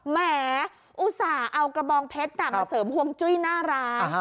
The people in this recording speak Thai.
แหมอุตส่าห์เอากระบองเพชรกลับมาเสริมฮวงจุ้ยน่ารัก